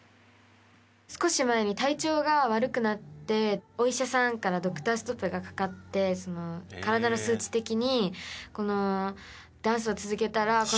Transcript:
少し前に体調が悪くなってお医者さんからドクターストップがかかって体の数値的にこの。